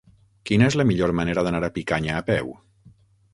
Quina és la millor manera d'anar a Picanya a peu?